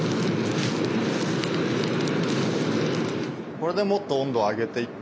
これでもっと温度を上げていって。